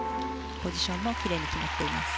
ポジションもきれいに決まっています。